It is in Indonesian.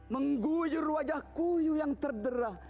mengguyur wajah kuyuh yang terderah